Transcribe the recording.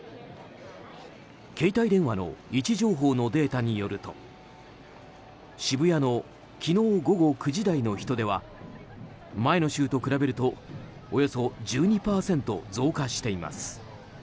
携帯電話の位置情報のデータによると渋谷の昨日午後９時台の人出は前の週と比べるとおよそ１２％増加しています。